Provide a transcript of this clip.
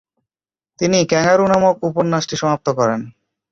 তিনি ক্যাঙারু নামক উপন্যাসটি সমাপ্ত করেন।